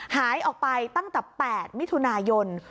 หายออกไปตั้งแต่๘มิถุนายน